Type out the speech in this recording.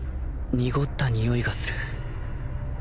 濁ったにおいがする